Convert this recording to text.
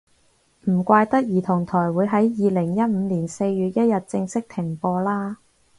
唔怪得兒童台會喺二零一五年四月一日正式停播啦